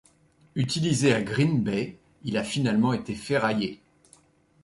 Utilisé à Green Bay, il a finalement été ferraillé.